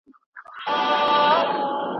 څپک څپک کوولي